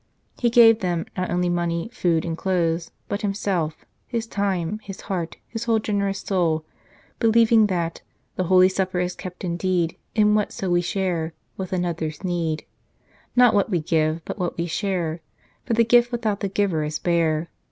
He gave them not only money, food, and clothes, but himself his time, his heart, his whole generous soul, believing that " The Holy Supper is kept indeed In whatso we share with another s need ; Not what we give, but what we share, For the gift without the giver is bare.